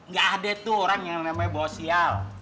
gak ada tuh orang yang namanya bawa sial